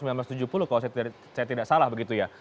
kalau saya tidak salah begitu ya